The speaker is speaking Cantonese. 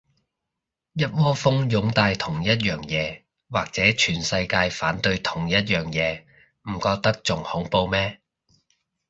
一窩蜂擁戴同一樣嘢，或者全世界反對同一樣嘢，唔覺得仲恐怖咩